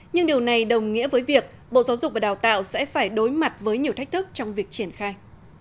nhưng điều này đồng nghĩa với việc bộ giáo dục và đào tạo sẽ phải đối mặt với nhiều thách thức trong việc triển khai